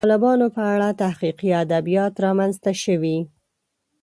د طالبانو په اړه تحقیقي ادبیات رامنځته شوي.